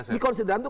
di konsideran itu